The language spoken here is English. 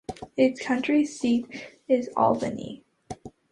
Its county seat is Albany.